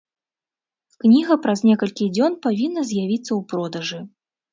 Кніга праз некалькі дзён павінна з'явіцца ў продажы.